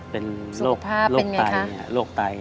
เป็นโรคไตโรคไต